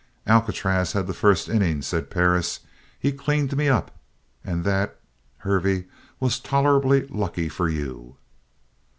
"Alcatraz had the first innings," said Perris. "He cleaned me up. And that, Hervey, was tolerably lucky for you."